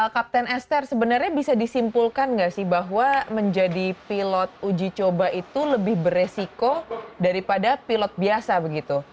kapten esther sebenarnya bisa disimpulkan nggak sih bahwa menjadi pilot uji coba itu lebih beresiko daripada pilot biasa begitu